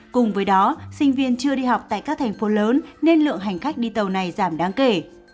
cùng với đó sinh viên chưa đi học tại các thành phố lớn nên lượng hành khách đi tàu này giảm đáng kể